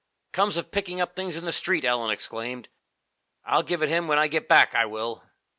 "Comes of picking up things in the street!" Ellen exclaimed. "I'll give it him when I get back, I will!"